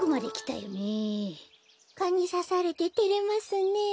カにさされててれますねえ。